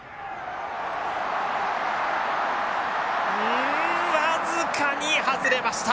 うん僅かに外れました。